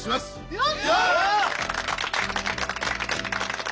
よっ！